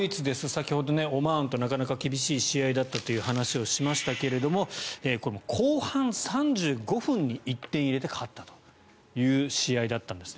先ほどオマーンとなかなか厳しい試合だったという話をしましたけれど後半３５分に１点入れて勝ったという試合だったんです。